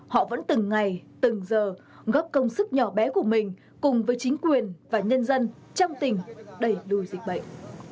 họ vẫn từng ngày từng giờ góp công sức nhỏ bé của mình cùng với chính quyền và nhân dân trong tỉnh đẩy lùi dịch bệnh